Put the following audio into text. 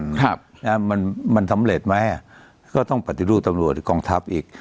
ครับนะมันมันสำเร็จไหมอ่ะก็ต้องปฏิรูปตำรวจกองทัพอีก